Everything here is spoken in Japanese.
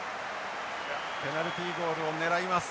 ペナルティゴールを狙います。